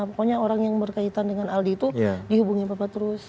pokoknya orang yang berkaitan dengan aldi itu dihubungi bapak terus